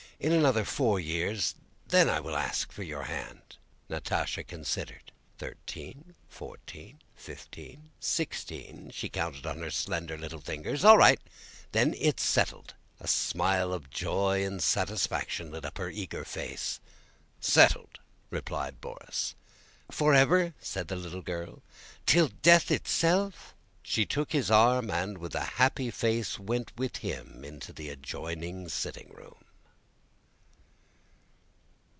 In another four years ... then I will ask for your hand." Natásha considered. "Thirteen, fourteen, fifteen, sixteen," she counted on her slender little fingers. "All right! Then it's settled?" A smile of joy and satisfaction lit up her eager face. "Settled!" replied Borís. "Forever?" said the little girl. "Till death itself?" She took his arm and with a happy face went with him into the adjoining sitting room.